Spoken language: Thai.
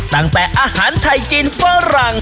ตั้งแต่อาหารไทยจีนฝรั่ง